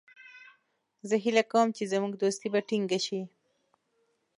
زه هیله کوم چې زموږ دوستي به ټینګه شي.